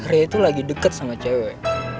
grea itu lagi deket sama cewek